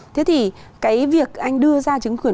thế thì cái việc anh đưa ra trứng quyền